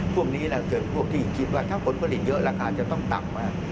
พวกนี้เกิดพวกที่คิดว่าถ้าผลผลิตเยอะราคาจะต้องต่ำมาก